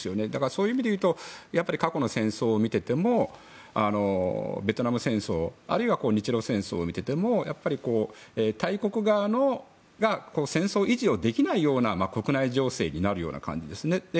そういう意味で言うとやっぱり過去の戦争を見ていてもベトナム戦争あるいは日露戦争を見ててもやっぱり、大国側が戦争維持をできないような国内情勢になるような感じですね。